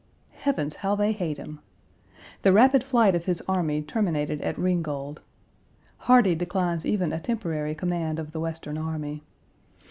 Heavens, how they hate him! The rapid flight of his army terminated at Ringgold. Hardie declines even a temporary command of the Western army.